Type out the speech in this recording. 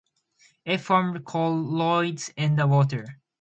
It formed colloids in the water.